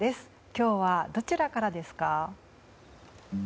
今日はどちらからですか？